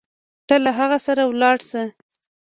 ته له هغه سره ولاړه شه.